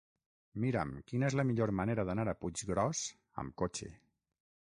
Mira'm quina és la millor manera d'anar a Puiggròs amb cotxe.